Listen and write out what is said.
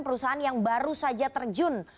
perusahaan yang baru saja terjun